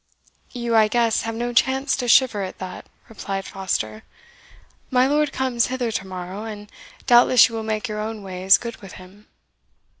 "You, I guess, have no chance to shiver at that," replied Foster. "My lord comes hither to morrow, and doubtless you will make your own ways good with him."